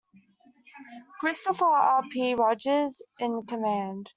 Christopher R. P. Rodgers in command.